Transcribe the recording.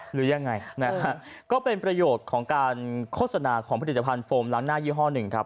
หรือยังไงนะฮะก็เป็นประโยชน์ของการโฆษณาของผลิตภัณฑ์โฟมล้างหน้ายี่ห้อหนึ่งครับ